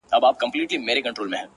ما په سهار لس رکاته کړي وي ـ